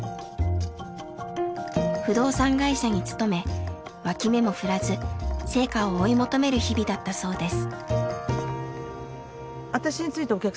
不動産会社に勤め脇目も振らず成果を追い求める日々だったそうです。